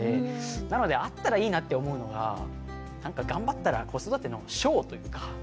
なのであったらいいなって思うのがなんか頑張ったら子育ての賞というか。